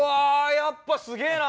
やっぱすげえな！